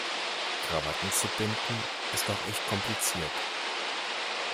Krawatten zu binden, ist auch echt kompliziert.